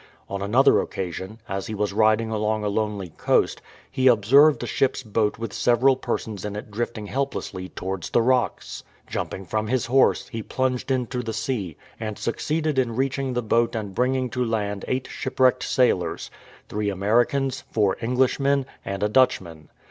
On another occasion, as he was riding along a lonely coast, he observed a ship's boat with several persons in it drifting helplessly towards the rocks. Jumping from his horse, he plunged into the sea, and succeeded in reaching the boat and bringing to land eight shipwrecked sailors — three Americans, four Englishmen, and a Dutchman.